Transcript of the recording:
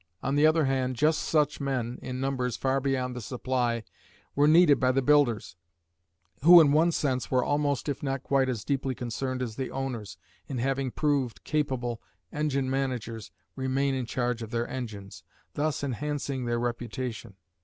On the other hand, just such men, in numbers far beyond the supply, were needed by the builders, who in one sense were almost if not quite as deeply concerned as the owners, in having proved, capable, engine managers remain in charge of their engines, thus enhancing their reputation.